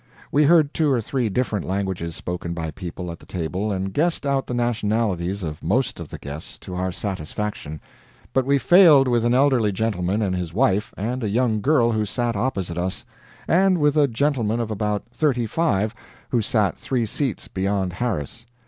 We heard two or three different languages spoken by people at the table and guessed out the nationalities of most of the guests to our satisfaction, but we failed with an elderly gentleman and his wife and a young girl who sat opposite us, and with a gentleman of about thirty five who sat three seats beyond Harris.